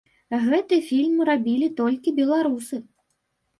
Гэты фільм рабілі толькі беларусы.